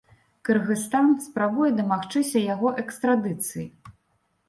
Кыргызстан спрабуе дамагчыся яго экстрадыцыі.